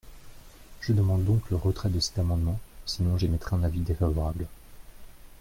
Je demande donc le retrait de cet amendement, sinon j’émettrais un avis défavorable.